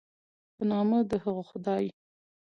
په نامه د هغه خدای